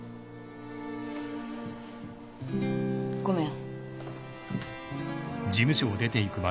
ごめん。